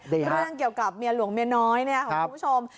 เรื่องเกี่ยวกับเมียหลวงเมียน้อยเนี่ยของคุณผู้ชม